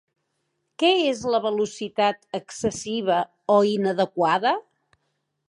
Què és la velocitat excessiva o inadequada?